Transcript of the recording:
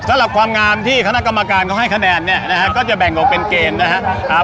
สำหรับความงามที่คณะกรรมการเขาให้คะแนนเนี่ยนะฮะก็จะแบ่งออกเป็นเกณฑ์นะครับ